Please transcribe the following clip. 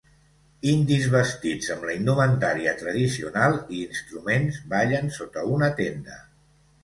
Indis vestits amb la indumentària tradicional i instruments ballen sota una tenda.